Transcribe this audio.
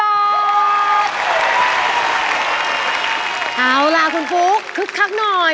เอาล่ะคุณฟุ๊กคึกคักหน่อย